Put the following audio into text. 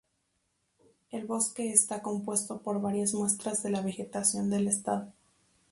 El bosque está compuesto por varias muestras de la vegetación del estado.